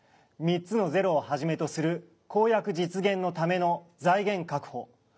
３つのゼロを始めとする公約実現のための財源確保